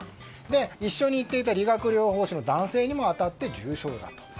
一緒に行っていた理学療法士の男性にも当たり重傷だと。